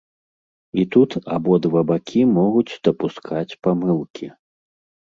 І тут абодва бакі могуць дапускаць памылкі.